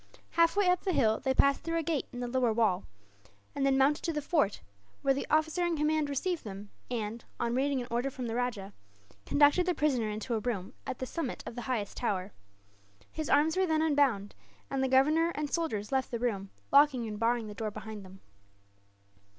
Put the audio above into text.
Halfway up the hill they passed through a gate in the lower wall; and then mounted to the fort, where the officer in command received them and, on reading an order from the rajah, conducted the prisoner into a room at the summit of the highest tower. His arms were then unbound, and the governor and soldiers left the room, locking and barring the door behind them.